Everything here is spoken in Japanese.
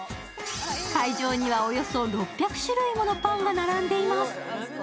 会場にはおよそ６００種類ものパンが並んでいます。